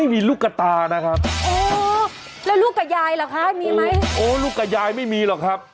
ตีกันสิคะ